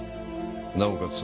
なおかつ